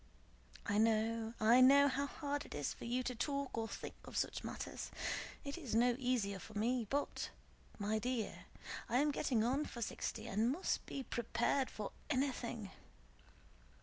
I know, I know how hard it is for you to talk or think of such matters. It is no easier for me; but, my dear, I am getting on for sixty and must be prepared for anything.